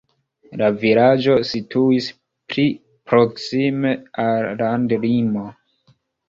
La vilaĝo situis pli proksime al la landlimo.